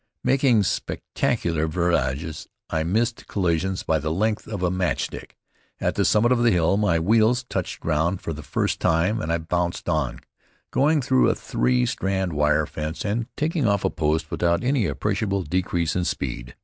Making spectacular virages, I missed collisions by the length of a match stick. At the summit of the hill, my wheels touched ground for the first time, and I bounded on, going through a three strand wire fence and taking off a post without any appreciable decrease in speed.